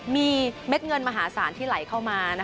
มีเม็ดเงินมหาศาลที่ไหลเข้ามา